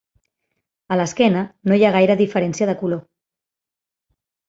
A l'esquena no hi ha gaire diferència de color.